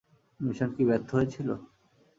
Mission কি ব্যর্থ হয়েছিলো?